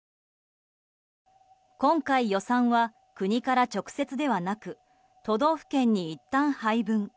今回、予算は国から直接ではなく都道府県にいったん配分。